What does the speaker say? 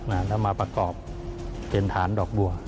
แล้วมาประกอบเป็นฐานดอกบัว